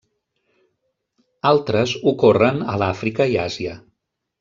Altres ocorren a l'Àfrica i Àsia.